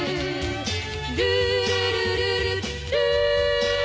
「ルールルルルルー」